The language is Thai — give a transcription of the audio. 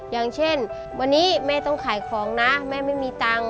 อย่างเช่นวันนี้แม่ต้องขายของนะแม่ไม่มีตังค์